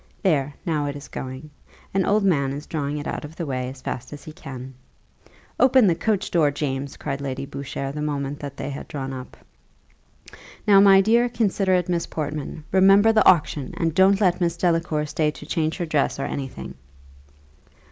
There, now it is going; an old man is drawing it out of the way as fast as he can." "Open the coach door, James!" cried Lady Boucher the moment that they had drawn up. "Now, my dear, considerate Miss Portman, remember the auction, and don't let Miss Delacour stay to change her dress or any thing."